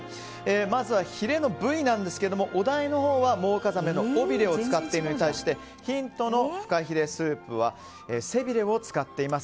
まずはヒレの部位なんですがお題のほうはモウカザメの尾びれを使っているのに対してヒントのふかひれスープは背びれを使っています。